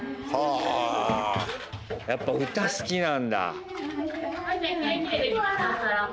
やっぱ歌、好きなんだ。